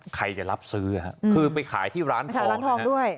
ใครจะรับซื้อคือไปขายที่ร้านทองด้วย